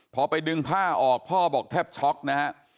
พอไปดึงผ้าออกพ่อบอกแทบช็อกนะฮะ